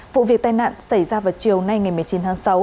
vụ việc tai nạn xảy ra vào chiều nay ngày một mươi chín tháng sáu